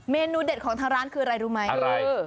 เมนูเด็ดของทางร้านคืออะไรรู้ไหมอะไร